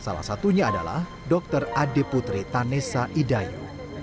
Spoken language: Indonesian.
salah satunya adalah dr ade putri tanesa idayu